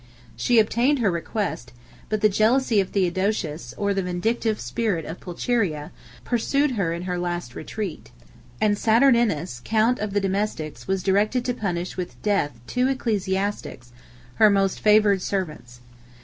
She obtained her request; but the jealousy of Theodosius, or the vindictive spirit of Pulcheria, pursued her in her last retreat; and Saturninus, count of the domestics, was directed to punish with death two ecclesiastics, her most favored servants.